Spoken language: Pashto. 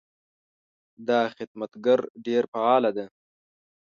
دا خدمتګر ډېر فعاله ده.